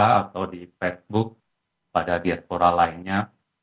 di produk wa atau di facebook pada biaspora lainnya